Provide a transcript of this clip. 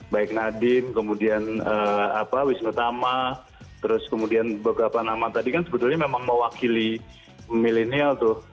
baik nadiem kemudian wisnu tama terus kemudian beberapa nama tadi kan sebetulnya memang mewakili milenial tuh